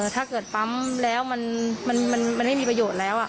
ถ้าเกิดปั๊มแล้วมันไม่มีประโยชน์แล้ว